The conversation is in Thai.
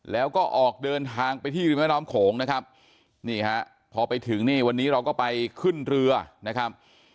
แล้วก็ออกเดินทางไปที่ริมแม่น้ำโขงนะครับนี่ฮะพอไปถึงนี่วันนี้เราก็ไปขึ้นเรือนะครับ